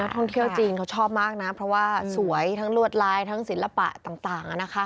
ท่องเที่ยวจีนเขาชอบมากนะเพราะว่าสวยทั้งลวดลายทั้งศิลปะต่าง